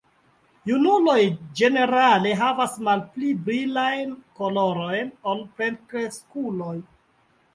Junuloj ĝenerale havas malpli brilajn kolorojn ol plenkreskuloj.